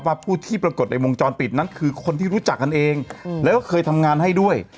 ผู้ที่ปรากฏในวงจรปิดนั้นคือคนที่รู้จักกันเองแล้วก็เคยทำงานให้ด้วย